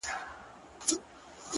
دعا ـ دعا ـدعا ـ دعا كومه ـ